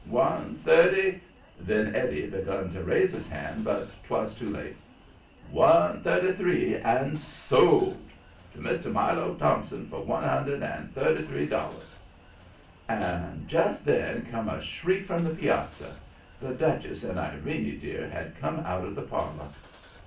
One thirty " Then Eddie begun to raise his hand, but 'twas too late. "One thirty three and SOLD! To Mr. Milo Thompson for one hundred and thirty three dollars!" And just then come a shriek from the piazza; the Duchess and "Irene dear" had come out of the parlor.